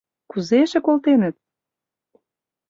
Кузе эше колтеныт?